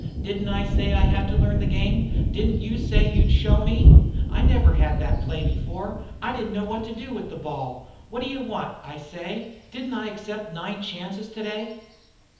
"Didn't I say I had to learn the game? Didn't you say you'd show me? I never had that play before. I didn't know what to do with the ball. What d' you want, I say? Didn't I accept nine chances today?"